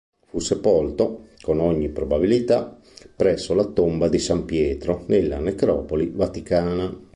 Fu sepolto, con ogni probabilità, presso la tomba di san Pietro, nella Necropoli vaticana.